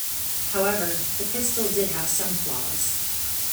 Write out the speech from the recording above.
However, the pistol did have some flaws.